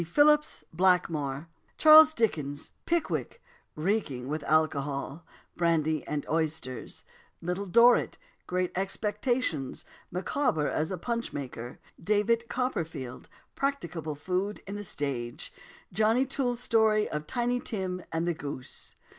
Philips Blackmore Charles Dickens Pickwick reeking with alcohol Brandy and oysters Little Dorrit Great Expectations Micawber as a punch maker David Copperfield "Practicable" food on the stage "Johnny" Toole's story of Tiny Tim and the goose.